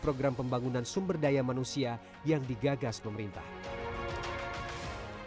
program wajib kuliah merupakan solusi strategis untuk pendidikan indonesia